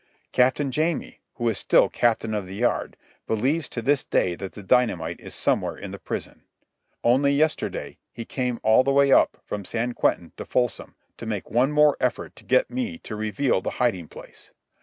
Captain Jamie, who is still Captain of the Yard, believes to this day that the dynamite is somewhere in the prison. Only yesterday, he came all the way up from San Quentin to Folsom to make one more effort to get me to reveal the hiding place.